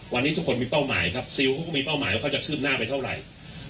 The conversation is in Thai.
วันนี้ทุกคนมีเป้าหมายครับซิลเขาก็มีเป้าหมายว่าเขาจะคืบหน้าไปเท่าไหร่